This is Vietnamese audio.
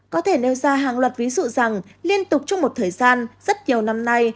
có thể nêu ra hàng loạt ví dụ rằng liên tục trong một thời gian rất nhiều năm nay